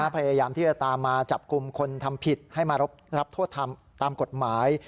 พยายามที่จะตามมาจับกลุ่มคนทำผิดให้มารับโทษตามกฎหมาย